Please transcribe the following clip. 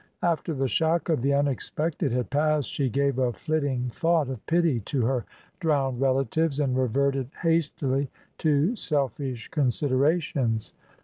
After the shock of the unexpected had passed, she gave a flitting thought of pity to her drowned relatives, and reverted hastily to selfish considerations.